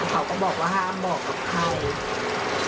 เขาก็บอกว่าห้ามบอกกับใคร